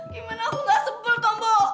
gimana aku gak sebel tombo